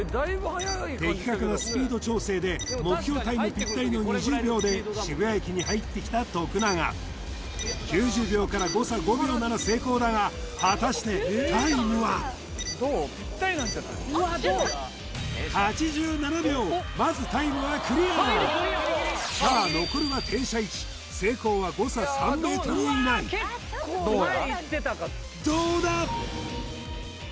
的確なスピード調整で目標タイムピッタリの２０秒で渋谷駅に入ってきた徳永９０秒から誤差５秒なら成功だが果たしてタイムは８７秒まずタイムはクリアさあ残るは停車位置成功は誤差３ｍ以内どうだ？